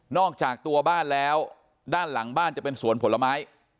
อกจากตัวบ้านแล้วด้านหลังบ้านจะเป็นสวนผลไม้